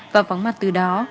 và vắng mặt từ đó